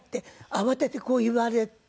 慌ててこう言われた。